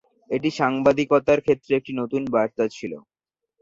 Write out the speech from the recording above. এটি সাংবাদিকতার ক্ষেত্রে একটি নতুন বার্তা ছিল।